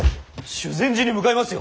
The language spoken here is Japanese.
修善寺に向かいますよ。